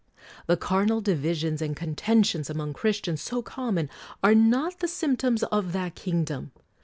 The carnal divisions and contentions among Chris tians, so common, are not the symptoms of that kingdom!